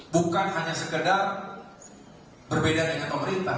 bukan hanya sekedar berbeda dengan pemerintah